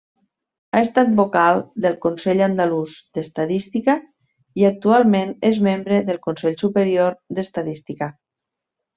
Ha estat Vocal del Consell Andalús d'Estadística i, actualment, és membre del Consell Superior d'Estadística.